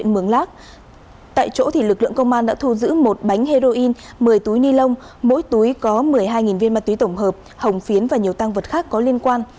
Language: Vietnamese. má túy tổng hợp hồng phiến và nhiều tăng vật khác có liên quan